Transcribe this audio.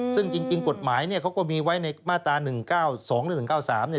ซึ่งจริงกฎหมายเขาก็มีไว้ในมาตรา๑๙๒หรือ๑๙๓